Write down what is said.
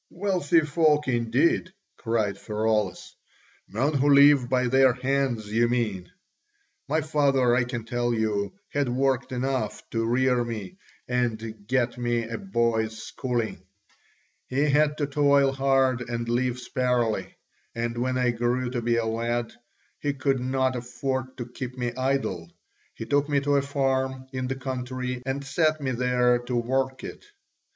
"Wealthy folk indeed!" cried Pheraulas, "men who live by their hands, you mean. My father, I can tell you, had work enough to rear me and get me a boy's schooling; he had to toil hard and live sparely, and when I grew to be a lad he could not afford to keep me idle, he took me to a farm in the country and set me there to work it.